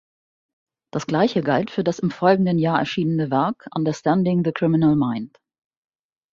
Das gleiche galt für das im folgenden Jahr erschienene Werk "Understanding the Criminal Mind".